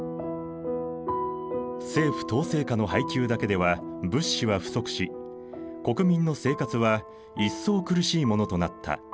政府統制下の配給だけでは物資は不足し国民の生活は一層苦しいものとなった。